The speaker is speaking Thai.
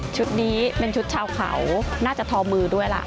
ชุดนี้เป็นชุดชาวเขาน่าจะทอมือด้วยล่ะ